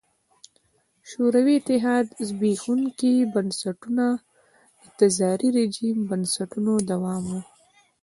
شوروي اتحاد زبېښونکي بنسټونه د تزاري رژیم بنسټونو دوام و.